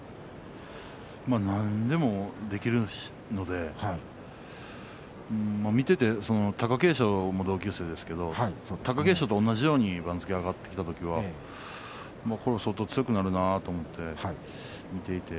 何でもできるので見ていて貴景勝も同級生ですが貴景勝と同じように番付が上がってきた時は相当強くなるなと思って見ていました。